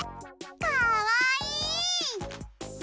かわいい！